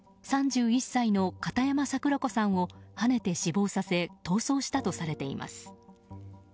３１歳の片山桜子さんをはねて死亡させ逃走したとされています。